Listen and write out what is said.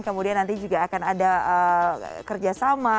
kemudian nanti juga akan ada kerjasama